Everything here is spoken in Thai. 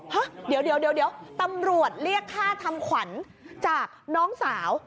ฮะเดี๋ยวตำรวจเรียกค่าทำขวัญจากน้องสาว